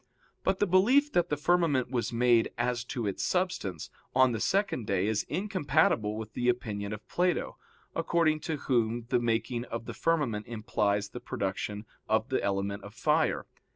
But the belief that the firmament was made, as to its substance, on the second day is incompatible with the opinion of Plato, according to whom the making of the firmament implies the production of the element of fire.